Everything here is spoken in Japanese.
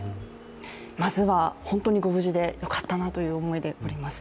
まずは、本当にご無事でよかったなという思いでおります。